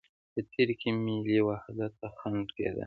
په تېر کې ملي وحدت ته خنده کېده.